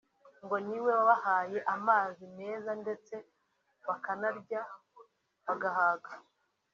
ngo niwe wabahaye amazi meza ndetse bakanarya bagahaga